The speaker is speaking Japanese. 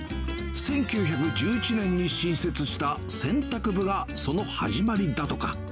１９１１年に新設した洗濯部がその始まりだとか。